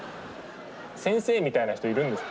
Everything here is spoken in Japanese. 先生みたいな人いるんですか？